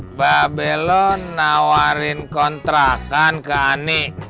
mbak belo nawarin kontrakan ke ani